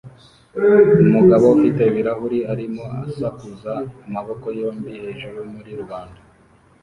Umugabo ufite ibirahuri arimo asakuza amaboko yombi hejuru muri rubanda